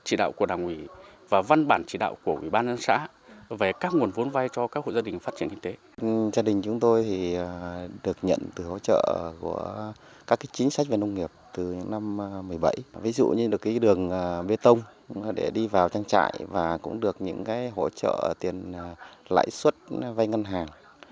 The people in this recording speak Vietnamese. ví dụ như được cái đường bê tông để đi vào trang trại và cũng được những cái hỗ trợ tiền lãi suất vay ngân hàng